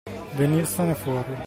Venirsene fuori.